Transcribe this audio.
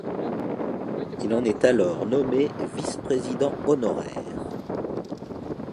Il en est alors nommé vice-président honoraire.